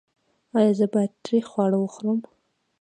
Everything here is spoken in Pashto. ایا زه باید تریخ خواړه وخورم؟